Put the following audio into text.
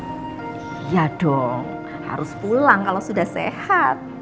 iya dong harus pulang kalau sudah sehat